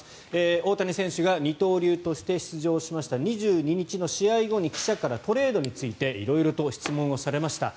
大谷選手が二刀流として出場しました２２日の試合後に記者からトレードについて色々と質問されました。